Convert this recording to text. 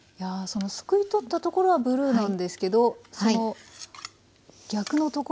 そのすくい取ったところはブルーなんですけどその逆のところはね